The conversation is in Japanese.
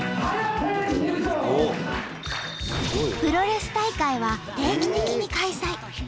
プロレス大会は定期的に開催。